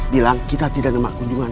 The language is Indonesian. bilang kita tidak nemak kunjungan